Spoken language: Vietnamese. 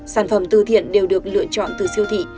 sản phẩm từ thiện đều được lựa chọn từ siêu thị